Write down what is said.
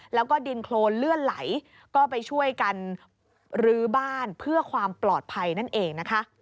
แล้วก็ดินโครนเลื่อนไหลก็ไปช่วยกันลื้อบ้านเพื่อความปลอดภัยนั่นเองนะคะ